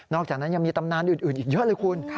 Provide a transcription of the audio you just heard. อกจากนั้นยังมีตำนานอื่นอีกเยอะเลยคุณ